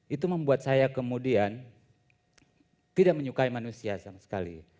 itu membuat saya kemudian tidak menyukai manusia sama sekali